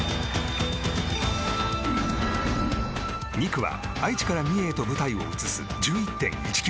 ２区は、愛知から三重へと舞台を移す、１１．１ｋｍ。